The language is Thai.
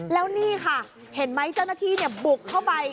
แล้วนี่ค่ะเห็นไหมเจ้าหน้าที่บุกเข้าไป